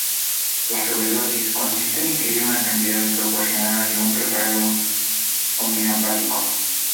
La "sobredosis" consiste en ingerir una cantidad desproporcionada de un preparado homeopático.